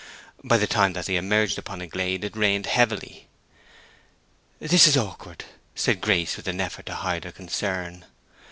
By the time that they emerged upon a glade it rained heavily. "This is awkward," said Grace, with an effort to hide her concern.